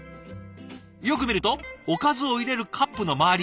よく見るとおかずを入れるカップの周り